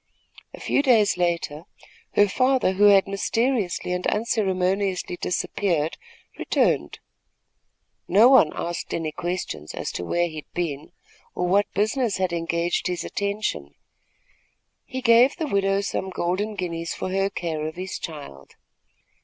A few days later, her father, who had mysteriously and unceremoniously disappeared, returned. No one asked any questions as to where he had been, or what business had engaged his attention. He gave the widow some golden guineas for her care of his child.